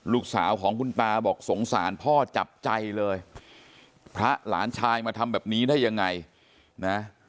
ลูกสาวของคุณตาบอกสงสารพ่อจับใจเลยพระหลานชายมาทำแบบนี้ได้ยังไงนะ